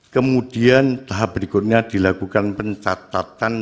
kemudian tahap berikutnya dilakukan pencatatan